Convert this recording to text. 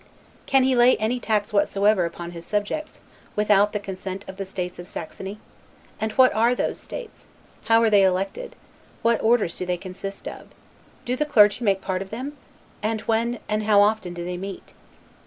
Can he lay any tax whatsoever upon his subjects, without the consent of the states of Saxony? and what are those states? how are they elected? what orders do they consist of? Do the clergy make part of them? and when, and how often do they meet?